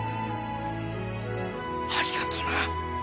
ありがとな。